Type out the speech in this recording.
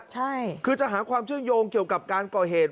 ใช่คือจะหาความเชื่อมโยงเกี่ยวกับการก่อเหตุ